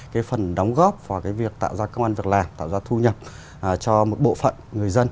cái phần đóng góp vào cái việc tạo ra công an việc làm tạo ra thu nhập cho một bộ phận người dân